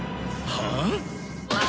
はあ？